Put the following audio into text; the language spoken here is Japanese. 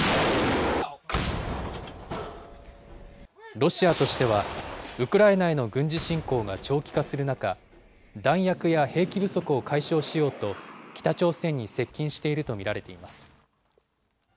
ロシアとしては、ウクライナへの軍事侵攻が長期化する中、弾薬や兵器不足を解消しようと、北朝鮮に接近していると見られています。